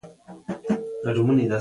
د نظام تمایل او تکمیل بې سارۍ و.